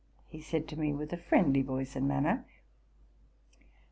he said to me, with a friendly voice and manner.